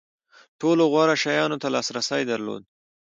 ټولو غوره شیانو ته لاسرسی درلود.